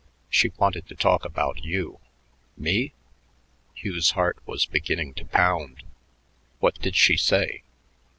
She wanted to talk about you." "Me?" Hugh's heart was beginning to pound. "What did she say?"